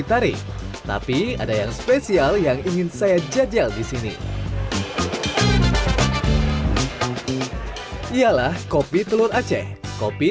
ditarik tapi ada yang spesial yang ingin saya jajal di sini ialah kopi telur aceh kopi